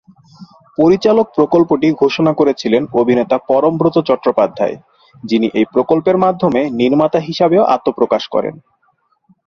পরিচালক প্রকল্পটি ঘোষণা করেছিলেন অভিনেতা পরমব্রত চট্টোপাধ্যায়, যিনি এই প্রকল্পের মাধ্যমে নির্মাতা হিসাবেও আত্মপ্রকাশ করেন।